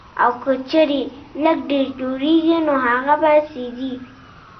او کۀ چرې لږ ډېر جوړيږي نو هغه به سېزئ